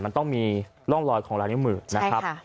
มันต้องมีร่องรอยของลายนิ้วมือนะครับ